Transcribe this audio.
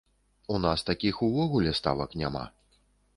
У нас такіх увогуле ставак няма.